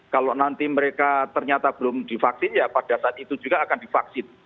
kalau nanti mereka ternyata belum divaksin ya pada saat itu juga akan divaksin